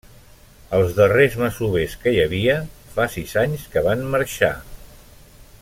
Els darrers masovers que hi havia fa sis anys que van marxar.